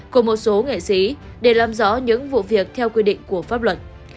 của một số nghệ sĩ để làm rõ những vụ việc theo quy định của pháp luật